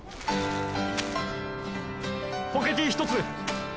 ポケティー１つ！